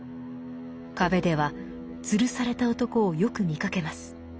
「壁」ではつるされた男をよく見かけます。